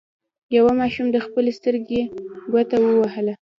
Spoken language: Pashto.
یوه ماشوم د خپلې سترګې ګوته ووهله.